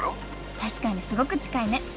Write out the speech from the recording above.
確かにすごく近いね！